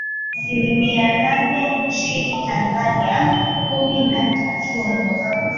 asilimi nane nchini Tanzania, kumi na tatun